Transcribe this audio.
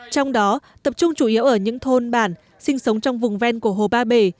trong đó tập trung chủ yếu ở những thôn bản sinh sống trong vùng ven của hồ ba bể